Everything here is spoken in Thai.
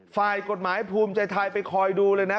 ฝ่ายกฎหมายภูมิใจไทยไปคอยดูเลยนะ